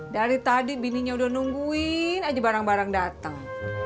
dari tadi bininya udah nungguin aja barang barang datang